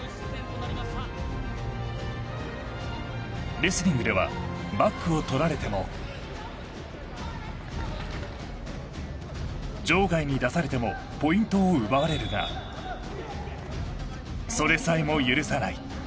レスリングではバックをとられても場外に出されてもポイントを奪われるがそれさえも許さない